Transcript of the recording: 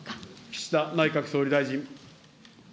岸田内閣総理大臣。